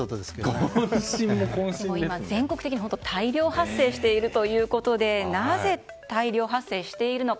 全国的に大量発生しているということでなぜ大量発生しているのか